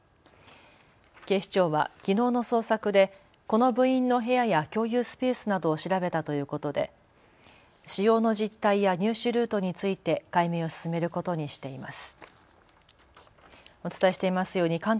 警視庁はきのうの捜索でこの部員の部屋や共有スペースなどを調べたということで使用の実態や入手ルートについて解明を進めることにしています。